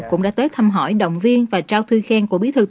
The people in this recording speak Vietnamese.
cũng đã tới thăm hỏi động viên và trao thư khen